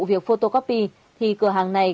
việc photocopy thì cửa hàng này